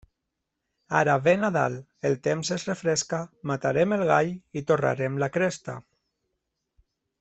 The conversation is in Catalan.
Ara ve Nadal, el temps es refresca, matarem el gall i torrarem la cresta.